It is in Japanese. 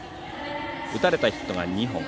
打たれたヒットは２本。